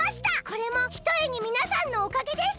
これもひとえにみなさんのおかげです。